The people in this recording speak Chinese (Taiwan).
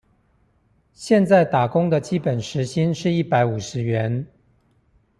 現在打工的基本時薪是一百五十元